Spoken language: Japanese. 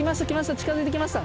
近づいてきました。